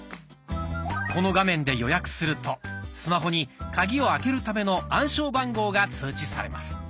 この画面で予約するとスマホにカギを開けるための暗証番号が通知されます。